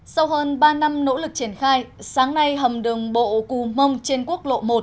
sau hơn ba năm nỗ lực triển khai sáng nay hầm đường bộ cù mông trên quốc lộ một